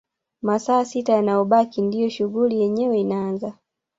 Masaa sita yanayobaki ndio shughuli yenyewe inaaza